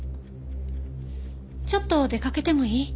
ちょっと出かけてもいい？